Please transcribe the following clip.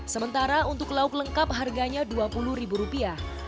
sementara untuk lauk lengkap harganya dua puluh ribu rupiah